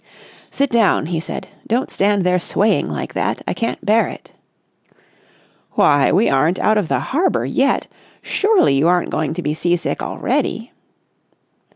"Sit down!" he said. "Don't stand there swaying like that. I can't bear it." "Why, we aren't out of the harbour yet. Surely you aren't going to be sea sick already."